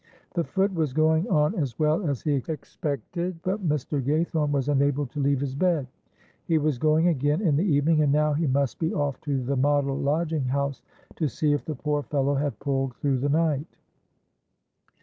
"The foot was going on as well as he expected, but Mr. Gaythorne was unable to leave his bed. He was going again in the evening, and now he must be off to the model lodging house to see if the poor fellow had pulled through the night."